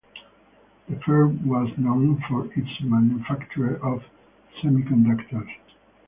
The firm was known for its manufacture of semiconductors.